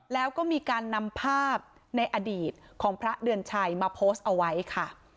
แล้วก็มีการนำภาพในอดีตของพระเดือนชัยมาโพสต์เอาไว้ค่ะ